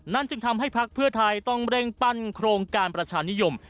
จึงทำให้พักเพื่อไทยต้องเร่งปั้นโครงการประชานิยม